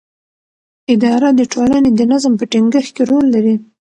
اداره د ټولنې د نظم په ټینګښت کې رول لري.